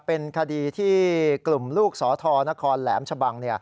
เป็นคดีที่กลุ่มลูกสธนครแหลมชะบัง